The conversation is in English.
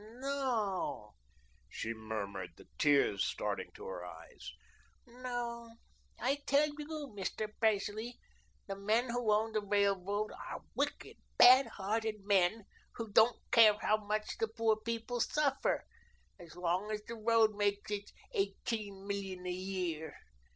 No," she murmured, the tears starting to her eyes, "No, I tell you, Mr. Presley, the men who own the railroad are wicked, bad hearted men who don't care how much the poor people suffer, so long as the road makes its eighteen million a year.